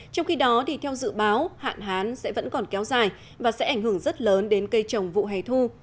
trong khi đó theo dự báo hạn hán sẽ vẫn còn kéo dài và sẽ ảnh hưởng rất lớn đến cây trồng vụ hè thu